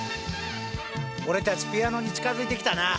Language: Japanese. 俺たちピアノに近づいてきたな！